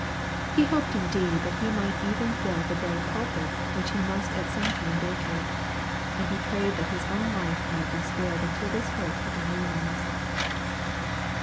He hoped indeed that he might even fill the very pulpit which he must at some time vacate; and he prayed that his own life might be spared until this hope had been realized.